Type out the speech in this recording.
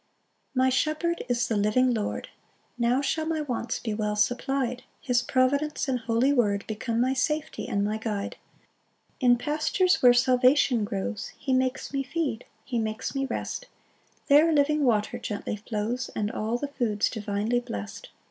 1 My shepherd is the living Lord; Now shall my wants be well supply'd His providence and holy word Become my safety and my guide. 2 In pastures where salvation grows He makes me feed, he makes me rest; There living water gently flows, And all the food's divinely blest.